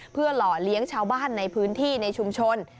เพื่อหล่อเลี้ยงชาวบ้านในพื้นที่ในชุมชน